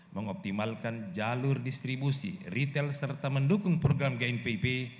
mengoptimalkan jalur distribusi retail serta mendukung program gnpb